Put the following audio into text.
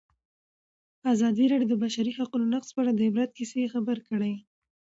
ازادي راډیو د د بشري حقونو نقض په اړه د عبرت کیسې خبر کړي.